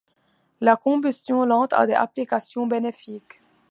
La combustion lente a des applications bénéfiques.